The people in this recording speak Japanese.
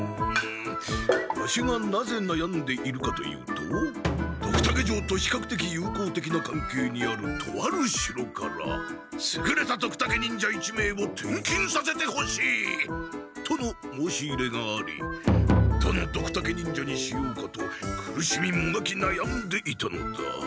ワシがなぜなやんでいるかというとドクタケ城とひかくてきゆうこうてきなかんけいにあるとある城から「すぐれたドクタケ忍者１名を転勤させてほしい」との申し入れがありどのドクタケ忍者にしようかと苦しみもがきなやんでいたのだ。